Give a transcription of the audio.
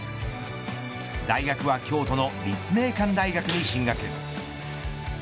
大学は京都の立命館大学に進学。